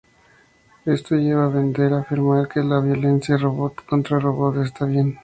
Esto lleva a Bender a afirmar que la violencia robot contra robot está bien.